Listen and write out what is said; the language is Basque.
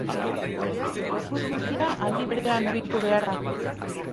Gorputz guztia aldi berean mugitu behar da.